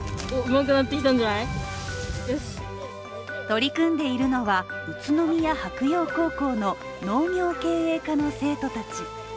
取り組んでいるのは、宇都宮白楊高校の農業経営科の生徒たち。